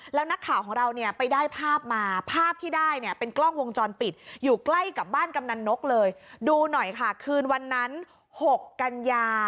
แล้วนักข่าวของเราไปได้ภาพมา